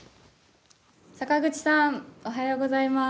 坂口さんおはようございます。